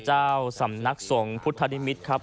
เจ้าสำนักสงฆ์พุทธนิมิตรครับ